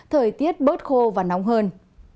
thời tiết bớt khô và nóng hơn